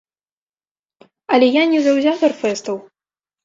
Але я не заўзятар фэстаў.